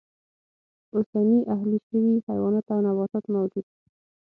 اوسني اهلي شوي حیوانات او نباتات موجود و.